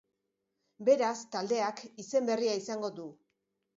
Beraz, taldeak izen berria izango du.